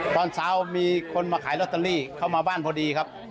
ตอนเช้ามีคนมาขายลอตเตอรี่เข้ามาบ้านพอดีครับ